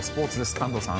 安藤さん。